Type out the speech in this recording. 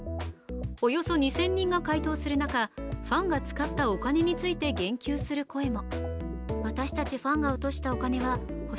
およそ２０００人が回答する中、ファンが使ったお金について言及する声も。